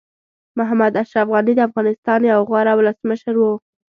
محمد اشرف غني د افغانستان یو غوره ولسمشر وو.